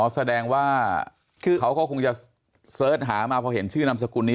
แสดงว่าเขาก็คงจะเสิร์ชหามาพอเห็นชื่อนามสกุลนี้